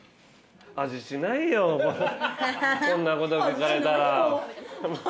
こんなこと聞かれたら。